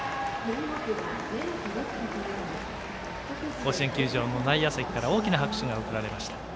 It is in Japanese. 甲子園球場の内野席から大きな拍手が送られました。